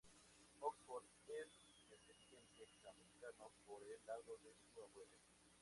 Oxford es descendiente jamaicano por el lado de su abuelo.